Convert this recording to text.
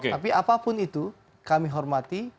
tapi apapun itu kami hormati